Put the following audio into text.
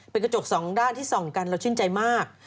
เป็นกระจกสองด้านที่ส่องกันเราชื่นใจมาก